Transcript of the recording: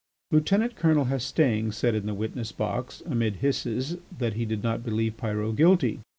Lieutenant Colonel Hastaing said in the witness box, amid hisses, that he did not believe Pyrot guilty.